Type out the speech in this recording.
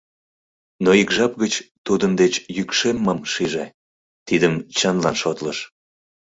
Но ик жап гыч тудын деч йӱкшеммым шиже, тидым чынлан шотлыш.